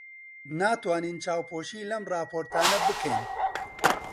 ناتوانین چاوپۆشی لەم ڕاپۆرتانە بکەین.